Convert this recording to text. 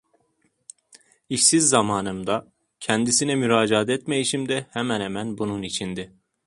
İşsiz zamanımda kendisine müracaat etmeyişim de hemen hemen bunun içindi.